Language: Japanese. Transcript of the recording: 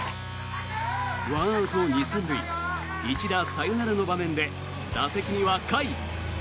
１アウト２塁３塁一打サヨナラの場面で打席には甲斐。